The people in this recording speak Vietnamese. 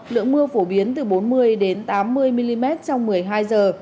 lượng mưa phổ biến từ bốn mươi tám mươi mm trong một mươi hai giờ